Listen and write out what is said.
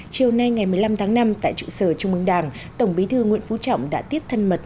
chiều nay ngày một mươi năm tháng năm tại trụ sở trung ương đảng tổng bí thư nguyễn phú trọng đã tiếp thân mật